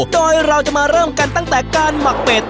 โดยเราจะมาเริ่มกันตั้งแต่การหมักเป็ด